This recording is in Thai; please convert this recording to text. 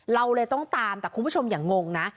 เราเลยต้องตามแต่คุณผู้ชมอย่างงงนะ